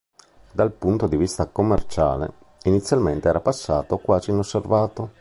Dal punto di vista commerciale, inizialmente era passato quasi inosservato.